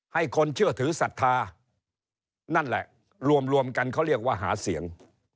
ให้คนเชื่อถือศรัทธานั่นแหละรวมกันเขาเรียกว่าหาเสียง